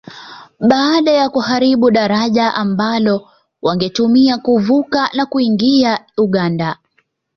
Baada ya kuharibu daraja ambalo wangetumia kuvuka na kuingia Uganda